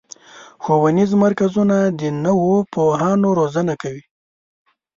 ښوونیز مرکزونه د نوو پوهانو روزنه کوي.